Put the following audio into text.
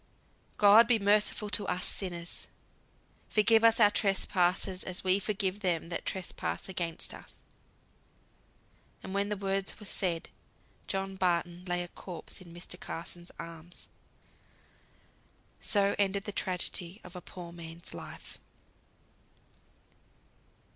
"God be merciful to us sinners. Forgive us our trespasses as we forgive them that trespass against us." And when the words were said, John Barton lay a corpse in Mr. Carson's arms. So ended the tragedy of a poor man's life.